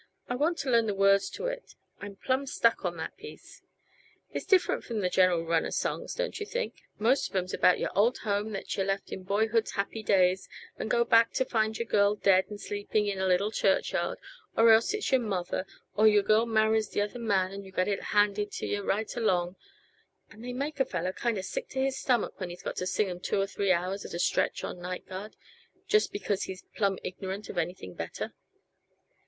I want to learn the words to it; I'm plumb stuck on that piece. It's different from the general run uh songs, don't yuh think? Most of 'em's about your old home that yuh left in boyhood's happy days, and go back to find your girl dead and sleeping in a little church yard or else it's your mother; or your girl marries the other man and you get it handed to yuh right along and they make a fellow kinda sick to his stomach when he's got to sing 'em two or three hours at a stretch on night guard, just because he's plumb ignorant of anything better.